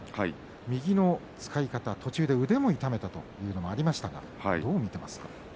右の使い方、途中で腕も痛めたということがありましたがどう見ていますか？